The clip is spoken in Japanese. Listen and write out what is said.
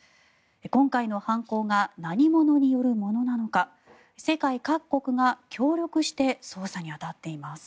今回の犯行が何者によるものなのか世界各国が協力して捜査に当たっています。